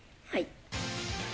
はい。